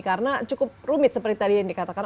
karena cukup rumit seperti tadi yang dikatakan